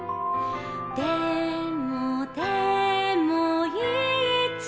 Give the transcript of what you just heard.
「でもでもいつか」